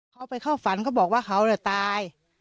เขาไปเข้าฝันเขาบอกว่าเขาตาย